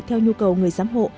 theo nhu cầu người giám hộ